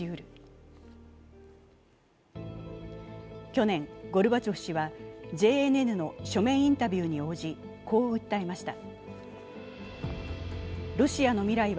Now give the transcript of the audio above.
去年、ゴルバチョフ氏はＪＮＮの書面インタビューに応じこう訴えました。